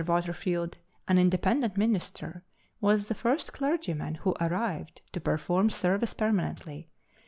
Waterfield, an Independent minister, was the first clergyman who arrived to perform service permanently.